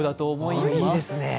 いいですね。